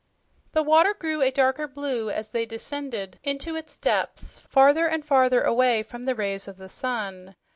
The water grew a darker blue as they descended into its depths, farther and farther away from the rays of the sun.